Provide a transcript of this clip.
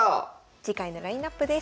次回のラインナップです。